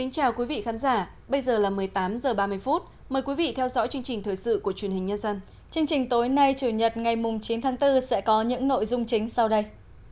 chương trình tối nay chủ nhật ngày chín tháng bốn sẽ có những nội dung chính sau đây